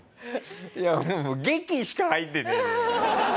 いやもう「激」しか入ってねえ。